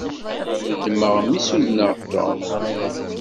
Nedmeɣ mi ssudneɣ Tom.